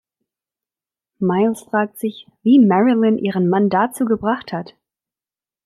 Miles fragt sich, wie Marilyn ihren Mann dazu gebracht hat.